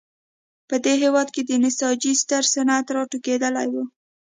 په دې هېواد کې د نساجۍ ستر صنعت راټوکېدلی و.